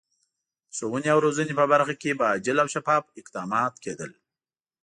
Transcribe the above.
د ښوونې او روزنې په برخه کې به عاجل او شفاف اقدامات کېدل.